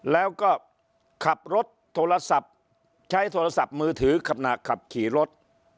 แล้วก็ขับรถโทรศัพท์ใช้โทรศัพท์มือถือขณะขับขี่รถ